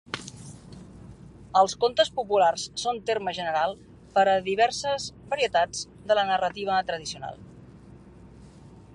Els contes populars són terme general per a diverses varietats de la narrativa tradicional.